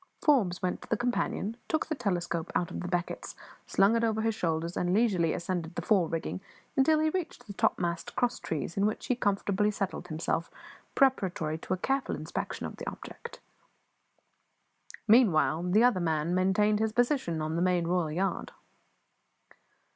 Forbes went to the companion, took the telescope out of the beckets, slung it over his shoulders, and leisurely ascended the fore rigging until he reached the topmast cross trees, in which he comfortably settled himself preparatory to a careful inspection of the object. Meanwhile, the other man maintained his position on the main royal yard.